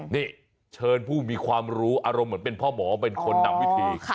นี่เชิญผู้มีความรู้อารมณ์เหมือนเป็นพ่อหมอเป็นคนนำวิธี